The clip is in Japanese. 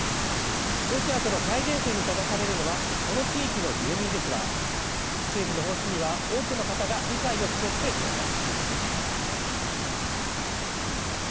ロシアとの最前線に立たされるのはこの地域の住民ですが、政府の方針には多くの方が理解を示していました。